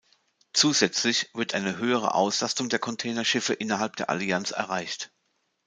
Zusätzlich wird eine höhere Auslastung der Containerschiffe innerhalb der Allianz erreicht.